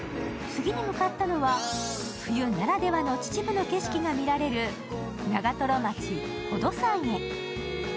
次に向かったのは冬ならではの秩父の景色が見られる、長瀞町宝登山に。